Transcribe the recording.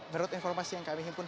menurut informasi yang kami himpun